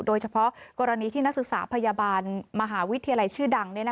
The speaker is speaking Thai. โดยเฉพาะกรณีที่นักศึกษาพยาบาลมหาวิทยาลัยชื่อดัง